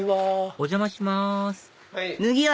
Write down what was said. お邪魔します